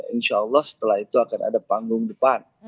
insya allah setelah itu akan ada panggung depan